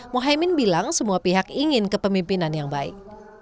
mohaimin bilang semua pihak ingin kepemimpinan yang baik